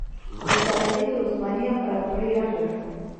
وروسته له دې چې عثماني امپراتوري ړنګه شوه.